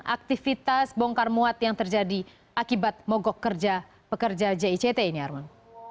aktivitas bongkar muat yang terjadi akibat mogok kerja pekerja jict ini arman